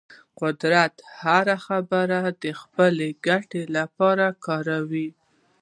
قدرت هره خبره د خپلې ګټې لپاره کاروي.